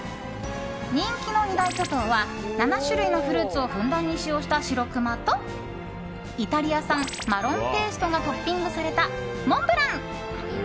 人気の二大巨頭は７種類のフルーツをふんだんに使用したしろくまとイタリア産マロンペーストがトッピングされたモンブラン。